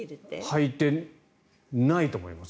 はいてないと思います。